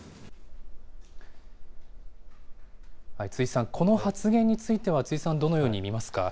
辻さん、この発言については辻さんはどのように見ますか。